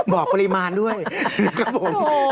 บอกปริมาณด้วยครับผม